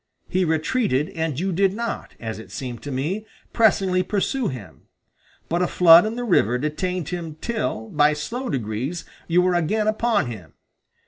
He retreated and you did not, as it seemed to me, pressingly pursue him; but a flood in the river detained him till, by slow degrees, you were again upon him.